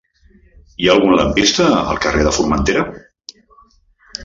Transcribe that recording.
Hi ha algun lampista al carrer de Formentera?